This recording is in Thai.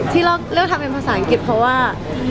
คือจริงที่เลือกก็แเปนรัฐอังกฤษเพราะว่า